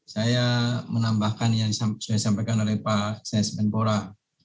saya menambahkan yang sudah saya sampaikan oleh pak sjajman bora